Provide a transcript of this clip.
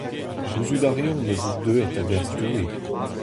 Gouzout a reomp ez out deuet a-berzh Doue.